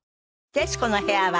『徹子の部屋』は